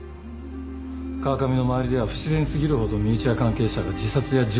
川上の周りでは不自然過ぎるほど身内や関係者が自殺や事故で亡くなってる。